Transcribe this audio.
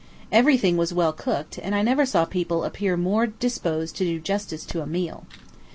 Every thing was well cooked, and I never saw people appear more disposed to do justice to a meal.